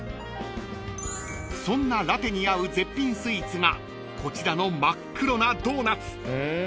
［そんなラテに合う絶品スイーツがこちらの真っ黒なドーナツ］